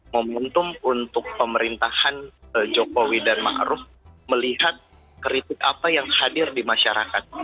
momentum untuk pemerintahan jokowi dan ma'ruf melihat kritik apa yang hadir di masyarakat